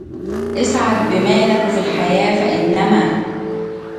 اسعد بمالك في الحياة فإنما